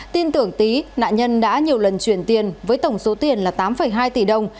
tin tưởng tý nạn nhân đã nhiều lần chuyển tiền với tổng số tiền là tám hai tỷ đồng